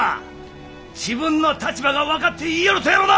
自分の立場が分かって言いよるとやろな！